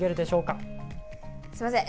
すいません。